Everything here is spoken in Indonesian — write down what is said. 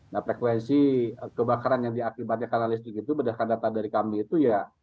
nah frekuensi kebakaran yang diakibatkan karena listrik itu berdasarkan data dari kami itu ya